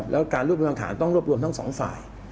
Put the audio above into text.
แล้วการรวบรวมภัยอังษะต้องรวบรวมทาง๒ฝ่าย